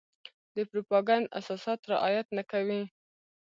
د پروپاګنډ اساسات رعايت نه کوي.